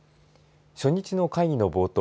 初日の会議の冒頭